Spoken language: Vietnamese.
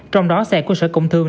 trong đó xe của sở công thương